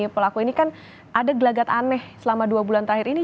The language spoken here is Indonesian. pelaku ini kan ada gelagat aneh selama dua bulan terakhir ini